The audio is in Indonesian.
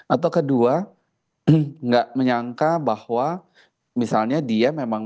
atau kedua nggak menyangka bahwa misalnya dia memang